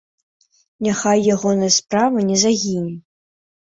Няхай ягоная справа не загіне.